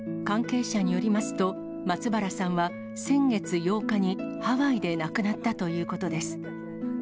関係者によりますと、松原さんは先月８日にハワイで亡くなったということです。